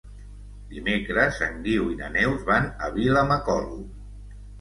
Dimecres en Guiu i na Neus van a Vilamacolum.